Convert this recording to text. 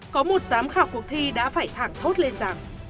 có một giám khảo cuộc thi đã phải thẳng thốt lên giả